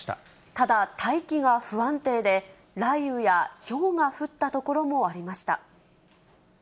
ただ、大気が不安定で、雷雨やひょうが降った所もありました。